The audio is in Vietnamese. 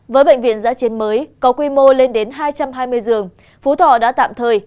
với bệnh viện giã chiến mới có quy mô lên đến hai trăm hai mươi giường phú thọ đã tạm thời